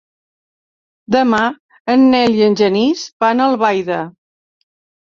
Demà en Nel i en Genís van a Albaida.